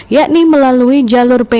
yakni melalui jalur p tiga k atau p tiga k